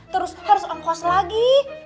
terus harus angkos lagi